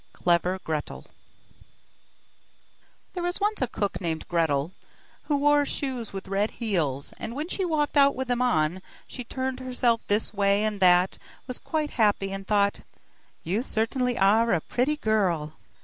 CLEVER GRETEL There was once a cook named Gretel, who wore shoes with red heels, and when she walked out with them on, she turned herself this way and that, was quite happy and thought: 'You certainly are a pretty girl!